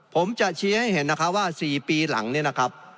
ผมจะชี้ให้เห็นนะคะว่า๔ปีหลังเนี่ยนะครับ